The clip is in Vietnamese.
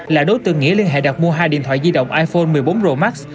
là đối tượng nghĩa liên hệ đặt mua hai điện thoại di động iphone một mươi bốn pro max